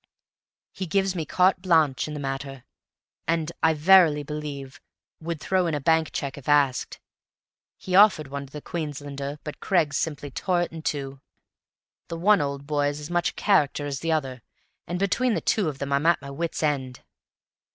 He gives me carte blanche in the matter, and, I verily believe, would throw in a blank check if asked. He offered one to the Queenslander, but Craggs simply tore it in two; the one old boy is as much a character as the other, and between the two of them I'm at my wits' end."